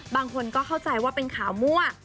บางคนก็เข้าใจว่าเป็นข่าวมั่ว